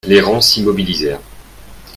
Les rangs s'immobilisèrent.